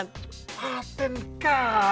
senyumnya jantung lebar